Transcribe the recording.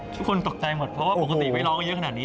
ทุกคนตกใจหมดเพราะว่าปกติไว้ร้องเยอะขนาดนี้